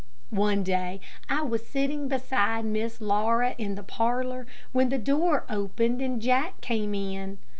One day I was sitting beside Miss Laura in the parlor, when the door opened and Jack came in.